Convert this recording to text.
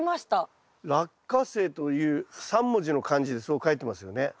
「落花生」という３文字の漢字でそう書いてますよね。